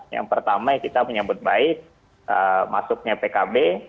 yang pertama kita menyambut baik masuknya pkb